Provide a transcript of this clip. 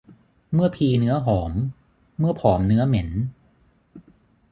เมื่อพีเนื้อหอม เมื่อผอมเนื้อเหม็น